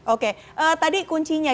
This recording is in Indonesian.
oke tadi kuncinya